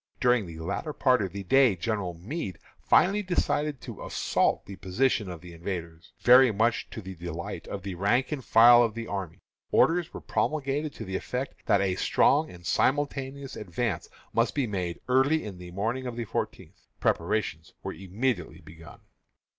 During the latter part of the day General Meade finally decided to assault the position of the invaders. Very much to the delight of the rank and file of the army, orders were promulgated to the effect that a strong and simultaneous advance must be made early on the morning of the fourteenth. Preparations were immediately begun.